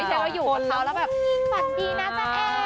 ฉันว่าอยู่กับเขาแล้วแบบสวัสดีนะจ๊ะเอ